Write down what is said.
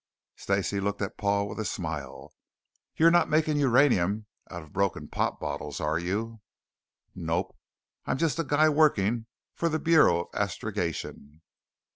Stacey looked at Paul with a smile. "You're not making uranium out of broken pop bottles are you?" "Nope. I'm just a guy working for the Bureau of Astrogation."